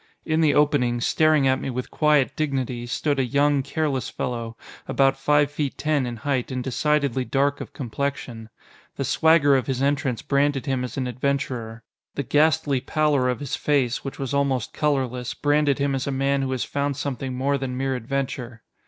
In the opening, staring at me with quiet dignity, stood a young, careless fellow, about five feet ten in height and decidedly dark of complexion. The swagger of his entrance branded him as an adventurer. The ghastly pallor of his face, which was almost colorless, branded him as a man who has found something more than mere adventure.